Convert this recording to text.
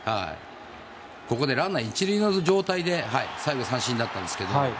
ここでランナー１塁の状態で最後、三振だったんですけど。